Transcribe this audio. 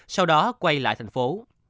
sau đó quay lại thành phố